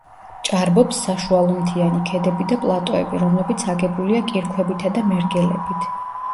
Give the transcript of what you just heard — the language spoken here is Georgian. ჭარბობს საშუალომთიანი ქედები და პლატოები, რომლებიც აგებულია კირქვებითა და მერგელებით.